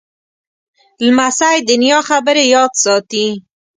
لمسی د نیا خبرې یاد ساتي.